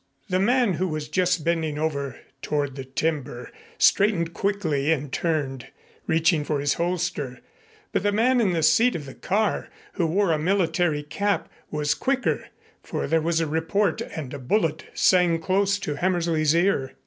The man who was just bending over toward the timber straightened quickly and turned, reaching for his holster, but the man in the seat of the car, who wore a military cap, was quicker, for there was a report, and a bullet sang close to Hammersley's ear.